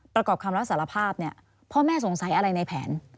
ประกอบคำรับสารภาพเนี่ยพ่อแม่สงสัยอะไรในแผน